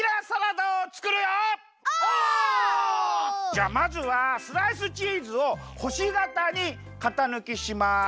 じゃあまずはスライスチーズをほしがたにかたぬきします。